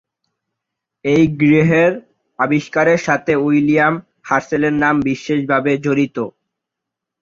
এই গ্রহের আবিষ্কারের সাথে উইলিয়াম হার্শেল-এর নাম বিশেষভাবে জড়িত।